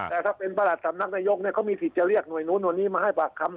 แต่ถ้าเป็นประหลัดสำนักนายกเขามีสิทธิ์จะเรียกหน่วยนู้นหน่วยนี้มาให้ปากคำ